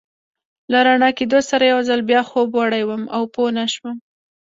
له رڼا کېدو سره یو ځل بیا خوب وړی وم او پوه نه شوم.